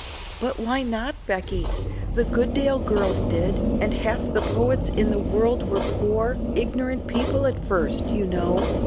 "But why not, Becky? The Goodale girls did, and half the poets in the world were poor, ignorant people at first, you know.